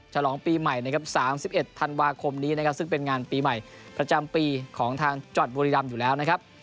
ฉลองปีใหม่๓๑ธันวาคมนี้ซึ่งเป็นงานปีใหม่ประจำปีของทางจอดบริรัมณ์อยู่แล้ว